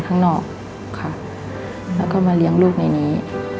ข้างนอกค่ะแล้วก็มาเลี้ยงลูกในนี้